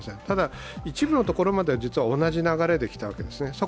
ただ、一部のところまでは実は同じ流れできたわけですね。